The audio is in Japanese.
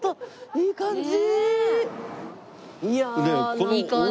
いい感じ。